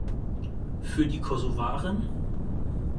Für die Kosovaren?